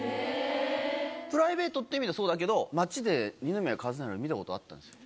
プライベートという意味ではそうだけど、街で二宮和也を見たことあったんですよ。